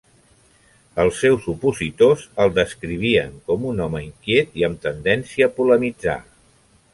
Els seus opositors el descrivien com un home inquiet i amb tendència a polemitzar.